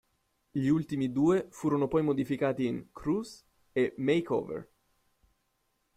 Gli ultimi due furono poi modificati in "Cruz" e "Make Over".